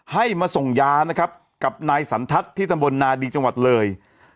ให้มาส่งยานะครับกับนายสันทัศน์ที่ตำบลนาดีจังหวัดเลย